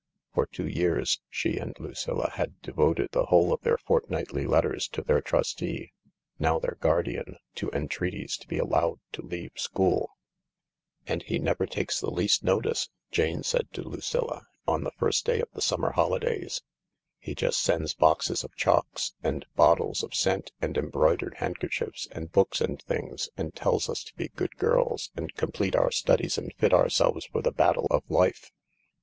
For two years she and Lucilla had devoted the whole of their fortnightly letters to their trustee — now their guardian — to entreaties to be allowed to leave school, "And he never takes the least notice," Jane said to Lucilla on the first day of the summer holidays ;" he just sends boxes of chocs., and bottles of scent, and embroidered handkerchiefs, and books and things, and tells us to be good girls and complete our studies and fit ourselves for the battle of life.